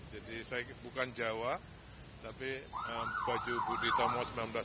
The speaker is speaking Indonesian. jadi saya bukan jawa tapi baju budi utomo seribu sembilan ratus delapan